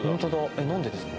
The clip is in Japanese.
えっ何でですか？